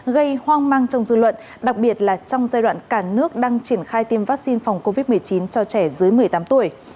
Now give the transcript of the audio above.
gây hoang mang trong dư luận đặc biệt là trong giai đoạn cả nước đang triển khai tiêm vaccine phòng covid một mươi chín cho trẻ dưới một mươi tám tuổi